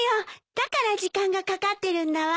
だから時間がかかってるんだわ。